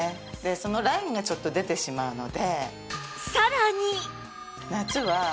そのラインがちょっと出てしまうので。